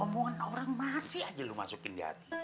omongan orang masih aja lu masukin di hati